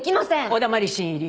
お黙り新入り。